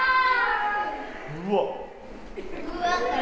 うわっ！